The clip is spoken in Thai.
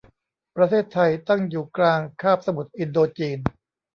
ประเทศไทยตั้งอยู่กลางคาบสมุทรอินโดจีน